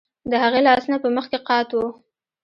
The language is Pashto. د هغې لاسونه په مخ کې قات وو